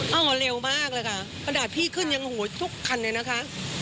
ปากปั่นไม่ได้ว่าเราไม่เห็นนะคะเราไม่เห็นจริง